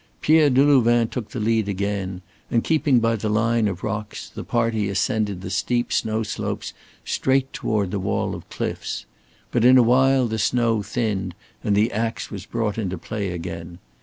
Pierre Delouvain took the lead again, and keeping by the line of rocks the party ascended the steep snow slopes straight toward the wall of cliffs. But in a while the snow thinned, and the ax was brought into play again.